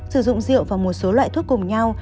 sử dụng rượu và một số loại thuốc cùng nhau